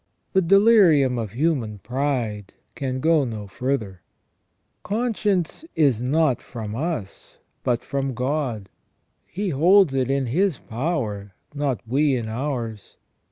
The delirium of human pride can go no further. Conscience is not from us, but from God : He holds it in His power, not we in ours.